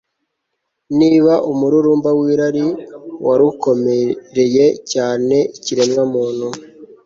niba umururumba w'irari wari ukomereye cyane ikiremwamuntu